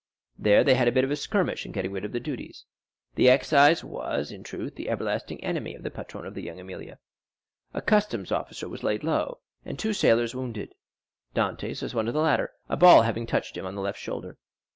There they had a bit of a skirmish in getting rid of the duties; the excise was, in truth, the everlasting enemy of the patron of La Jeune Amélie. A customs officer was laid low, and two sailors wounded; Dantès was one of the latter, a ball having touched him in the left shoulder.